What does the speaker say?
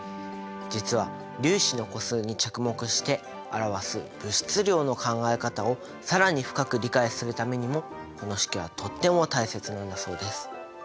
実は粒子の個数に着目して表す物質量の考え方を更に深く理解するためにもこの式はとっても大切なんだそうです。